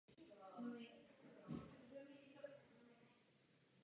Ve skutečném životě je tomu právě naopak.